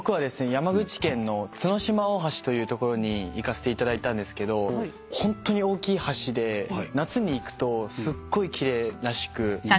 山口県の角島大橋というところに行かせていただいたんですけどホントに大きい橋で夏に行くとすっごい奇麗らしく。